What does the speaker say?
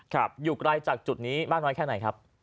อยู่ไกลจากจุดนี้มากน้อยแค่ไหนครับ